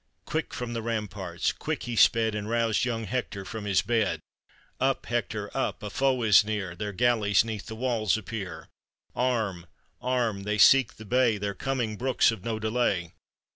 Quick from the ramparts, quick, he sped, And roused young Hector from his bed —" Up, Hector, up ! a foe is near, Their galleys 'neath the walls appear; Arm! arm! they seek the bay, Their coming brooks of no delay."